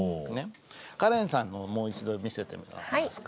カレンさんのもう一度見せてもらえますか？